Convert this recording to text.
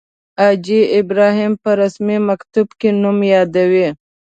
حاجي ابراهیم په رسمي مکتوب کې نوم یادوي.